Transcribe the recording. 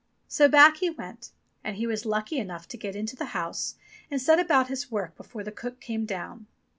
So back he went, and he was lucky enough to get into the house, and set about his work before the cook came down.